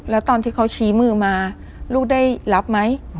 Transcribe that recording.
แล้วตอนที่เขาชี้มือมาลูกได้รับไหม